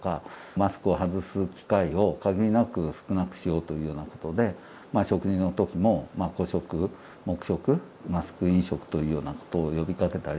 マスクを外す機会を限りなく少なくしようというようなことで食事の時も個食黙食マスク飲食というようなことを呼びかけたり。